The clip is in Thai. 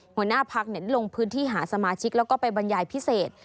หัวหน้าพักลงพื้นที่หาสมาชิกแล้วก็ไปบรรยายพิเศษ